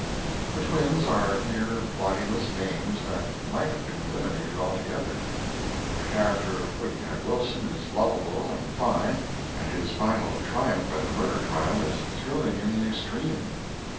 The Twins are mere bodiless names that might have been eliminated altogether. The character of Pudd'nhead Wilson is lovable and fine, and his final triumph at the murder trial is thrilling in the extreme.